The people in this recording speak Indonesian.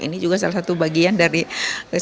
ini juga salah satu bagian dari